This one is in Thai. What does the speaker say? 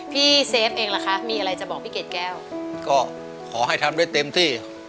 เซฟเองล่ะคะมีอะไรจะบอกพี่เกดแก้วก็ขอให้ทำได้เต็มที่